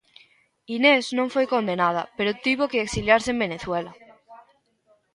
Inés non foi condenada, pero tivo que exiliarse en Venezuela.